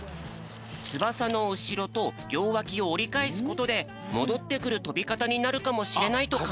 つばさのうしろとりょうわきをおりかえすことでもどってくるとびかたになるかもしれないとかんがえたんだね。